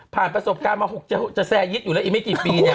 ประสบการณ์มาจะแซร์ยิตอยู่แล้วอีกไม่กี่ปีเนี่ย